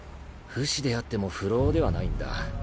不死であっても不老ではないんだ